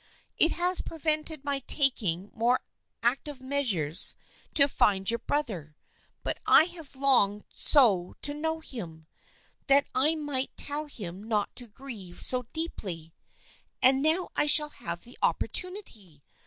It has prevented my taking more active measures to find your brother, but I have longed so to know him, that I might tell him not to grieve so deeply ! And now I shall have the opportunity